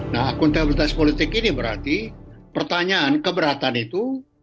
nah akuntabilitas politik ini berarti pertanyaan keberatan itu